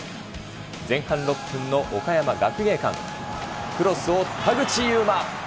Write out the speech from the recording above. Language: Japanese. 前半６分の岡山学芸館、クロスを田口裕真。